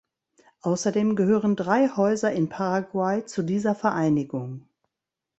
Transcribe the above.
Außerdem gehören drei Häuser in Paraguay zu dieser Vereinigung.